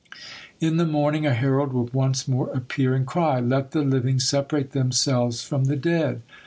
In the morning a herald would once more appear and cry: "Let the living separate themselves from the dead."